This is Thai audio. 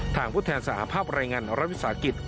ทางผู้แทนสาธารณ์ภาพรายงานรัฐวิทยาลัยศาสตร์กิจ